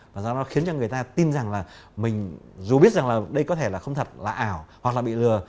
và do đó khiến cho người ta tin rằng là mình dù biết rằng là đây có thể là không thật là ảo hoặc là bị lừa